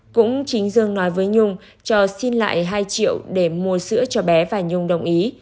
cũng chính dương nói với nhung cho xin lại hai triệu để mua sữa cho bé và nhung đồng ý